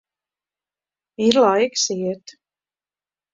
Ir laiks iet.